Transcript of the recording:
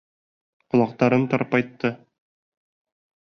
Ҡолаҡтарын тырпайтты.